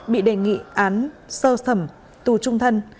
bị đề nghị án sơ thẩm tù trung thân